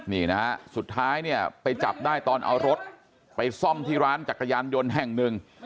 นี่นะฮะสุดท้ายเนี่ยไปจับได้ตอนเอารถไปซ่อมที่ร้านจักรยานยนต์แห่งหนึ่ง